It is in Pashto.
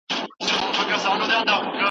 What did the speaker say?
بزګرانو په خپلو ځمکو کي کښت کاوه.